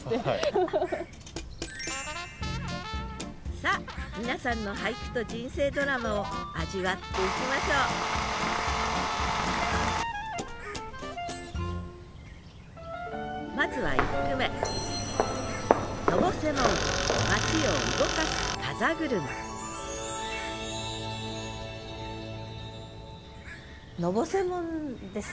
さあ皆さんの俳句と人生ドラマを味わっていきましょうまずは１句目「のぼせもん」ですね。